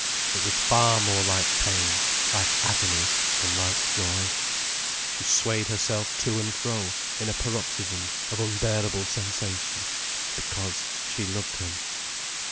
It was far more like pain, like agony, than like joy. She swayed herself to and fro in a paroxysm of unbearable sensation, because she loved him.